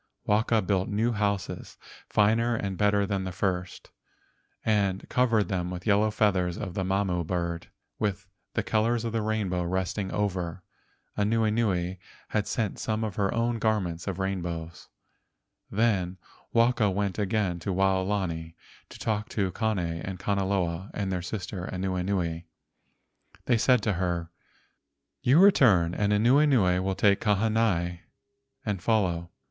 124 LEGENDS OF GHOSTS Waka built new houses finer and better than the first, and covered them with the yellow feathers of the Mamo bird with the colors of the rainbow resting over. Anuenue had sent some of her own garments of rainbows. Then Waka went again to Waolani to talk with Kane and Kanaloa and their sister Anuenue. They said to her: "You return, and Anuenue will take Kahanai and follow.